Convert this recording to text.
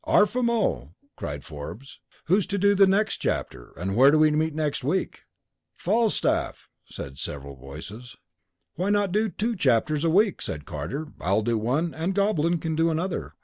"'Arf a mo,'" cried Forbes. "Who's to do the next chapter, and where do we meet next week?" "Falstaff!" cried several voices. "Why not do two chapters a week," said Carter. "I'll do one, and Goblin can do another.